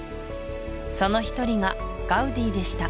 その一人がガウディでした